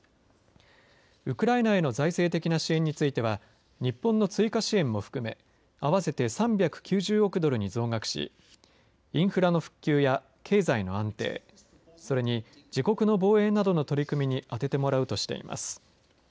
ウクライナへの財政的な支援については日本の追加支援も含め合わせて３９０億ドルに増額しインフラの復旧や経済の安定それに自国の防衛などの取り組みに充ててもらうとしています。